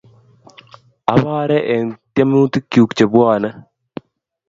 Abori eng' tyemutik chuk chepwone.